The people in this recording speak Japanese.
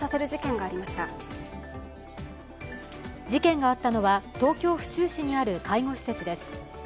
事件があったのは東京・府中市にある介護施設です。